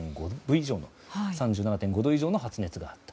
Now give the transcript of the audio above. ３７度５分以上の発熱があった。